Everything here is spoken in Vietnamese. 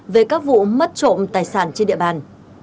về các vụ mất trộm tài sản trên địa bàn